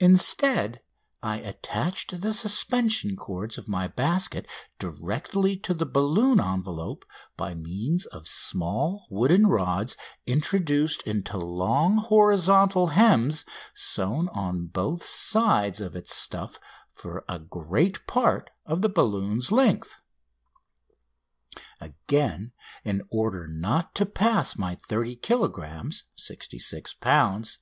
Instead I attached the suspension cords of my basket directly to the balloon envelope by means of small wooden rods introduced into long horizontal hems sewed on both sides to its stuff for a great part of the balloon's length. Again, in order not to pass my 30 kilogrammes (66 lbs.)